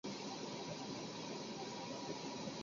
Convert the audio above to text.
他的名字引用自回溯法。